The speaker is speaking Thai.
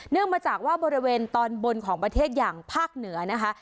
มาจากว่าบริเวณตอนบนของประเทศอย่างภาคเหนือนะคะ